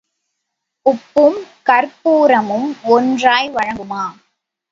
உப்பும் கர்ப்பூரமும் ஒன்றாய் வழங்குமா?